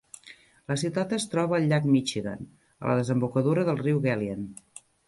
La ciutat es troba al llac Michigan, a la desembocadura del riu Galien.